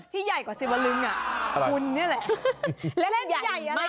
ที่ใหญ่กว่าสีวะลึงคุณนี่แหละ